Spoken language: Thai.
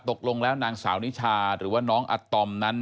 ตกลงแล้วนางสาวนิชาหรือว่าน้องอัตอมนั้น